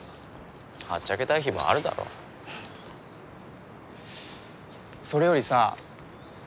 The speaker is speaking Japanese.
はっちゃけたい日もあるだろそれよりさうん？